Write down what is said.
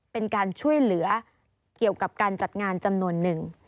เป็นการช่วยเหลือเกี่ยวกับการจัดงานจำนวนหนึ่ง